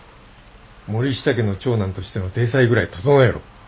森下家の長男としての体裁ぐらい整えろ。